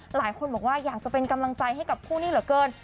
หลายคนบอกว่าอยากจะเป็นกำลังใจให้กับคู่นี้เหลือเกิน